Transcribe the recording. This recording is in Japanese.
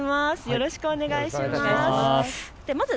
よろしくお願いします。